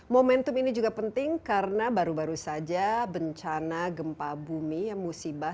momentum ini juga penting karena baru baru saja bencana gempa bumi musibah